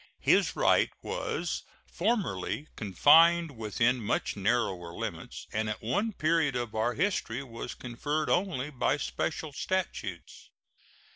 His right was formerly confined within much narrower limits, and at one period of our history was conferred only by special statutes.